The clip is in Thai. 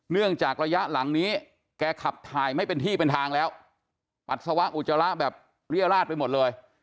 เนื่องจากระยะหลังนี้แกขับถ่ายไม่เป็นที่เป็นทางแล้วปัสสาวะอุจจาระแบบเรียราชไปหมดเลย